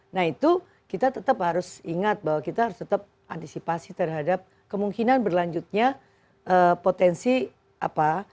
nah itu kita tetap harus ingat bahwa kita harus tetap antisipasi terhadap kemungkinan berlanjutnya potensi apa